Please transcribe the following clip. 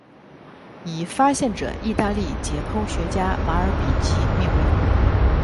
以发现者意大利解剖学家马尔比基命名。